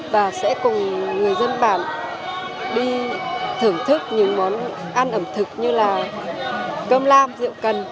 và sẽ cùng người dân bản đi thưởng thức những món ăn ẩm thực như là cơm lam rượu cần